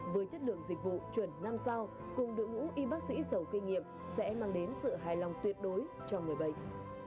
với chất lượng dịch vụ chuẩn năm sao cùng đội ngũ y bác sĩ giàu kinh nghiệm sẽ mang đến sự hài lòng tuyệt đối cho người bệnh